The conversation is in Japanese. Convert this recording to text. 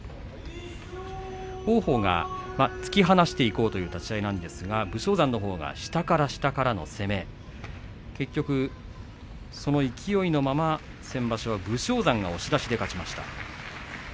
王鵬が突き放していこうという立ち合いなんですが武将山が下から下からの攻め結局その勢いのまま先場所は武将山が勝ちました。